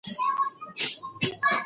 هر مشکل حل لري.